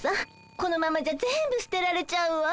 このままじゃ全部捨てられちゃうわ。